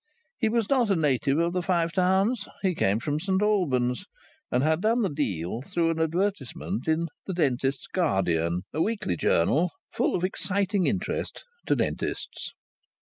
He was not a native of the Five Towns. He came from St Albans, and had done the deal through an advertisement in the Dentists' Guardian, a weekly journal full of exciting interest to dentists.